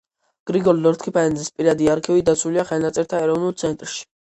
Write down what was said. გრიგოლ ლორთქიფანიძის პირადი არქივი დაცულია ხელნაწერთა ეროვნულ ცენტრში.